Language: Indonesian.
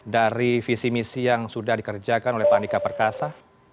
dari visi misi yang sudah dikerjakan oleh pak andika perkasa